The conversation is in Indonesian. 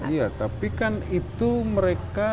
iya tapi kan itu mereka